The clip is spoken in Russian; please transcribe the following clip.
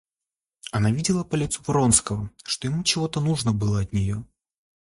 Она видела по лицу Вронского, что ему чего-то нужно было от нее.